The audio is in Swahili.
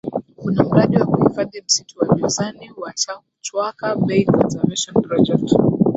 Kuna mradi wa kuhifadhi msitu wa Jozani wa Chwaka Bay Conservation Project